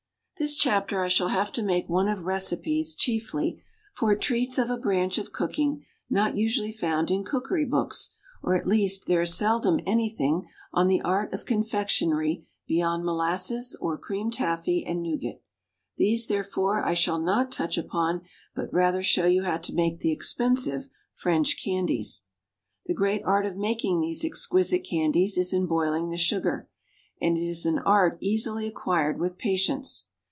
THIS chapter I shall have to make one of recipes chiefly, for it treats of a branch of cooking not usually found in cookery books, or at least there is seldom anything on the art of confectionery beyond molasses or cream taffy and nougat. These, therefore, I shall not touch upon, but rather show you how to make the expensive French candies. The great art of making these exquisite candies is in boiling the sugar, and it is an art easily acquired with patience.